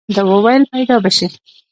ده وويل پيدا به شي.